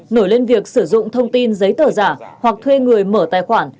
nổi lên việc sử dụng thông tin giấy tờ giả hoặc thuê người mở tài khoản